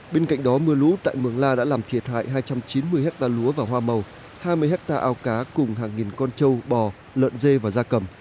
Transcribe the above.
bên cạnh đó mưa lũ tại mường la đã làm thiệt hại hai trăm chín mươi hectare lúa và hoa màu hai mươi hectare ao cá cùng hàng nghìn con trâu bò lợn dê và da cầm